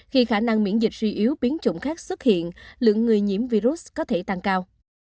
khi khả năng miễn dịch suy yếu biến chủng khác xuất hiện lượng người nhiễm virus có thể tăng cao